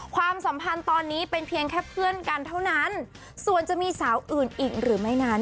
ความสัมพันธ์ตอนนี้เป็นเพียงแค่เพื่อนกันเท่านั้นส่วนจะมีสาวอื่นอีกหรือไม่นั้น